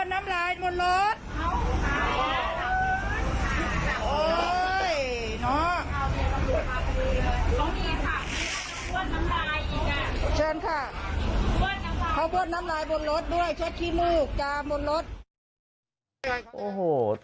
ใจเชิญค่ะทำลายบนรถด้วยเช็ดถี่มูกก๋าบนรถ